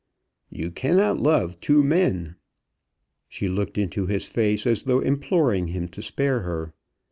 "You cannot love two men." She looked into his face, as though imploring him to spare her.